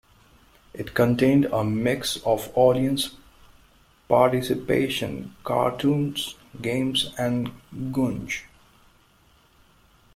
It contained a mix of audience participation, cartoons, games and gunge.